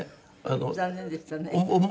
残念でしたね。